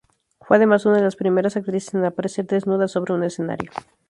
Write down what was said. Fue además una de las primeras actrices en aparecer desnuda sobre un escenario.